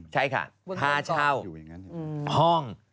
ใช่ค่ะค่าเช่าห้อง